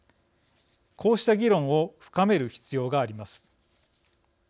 こうした議論を深める必要があります。